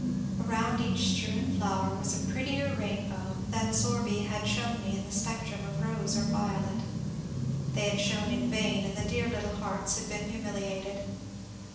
Around each strewn flower was a prettier rainbow than Sorby 356 MONCXJRE DANIEL CONWAY had shown me in the spectrum of rose or violet. Thejr had shone in vain, and the dear little hearts had been humiliated.